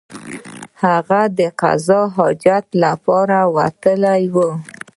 هغه د قضای حاجت لپاره وتلی وو.